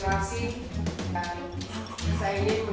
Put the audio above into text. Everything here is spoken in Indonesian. mengingat inspirasi dan